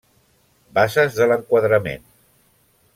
Bases de l'enquadrament.